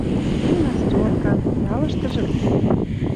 Гимнастёркан, ялыштыжы кем.